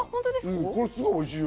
すごいおいしいよ。